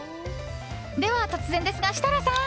突然ですが、設楽さん。